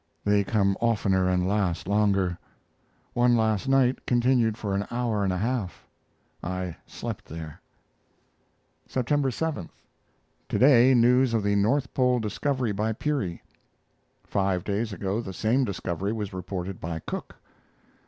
They come oftener and last longer. One last night continued for an hour and a half. I slept there. September 7. To day news of the North Pole discovered by Peary. Five days ago the same discovery was reported by Cook.